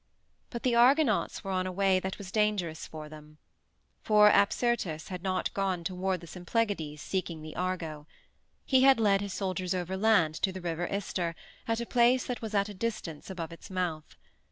But the Argonauts were on a way that was dangerous for them. For Apsyrtus had not gone toward the Symplegades seeking the Argo. He had led his soldiers overland to the River Ister at a place that was at a distance above its mouth.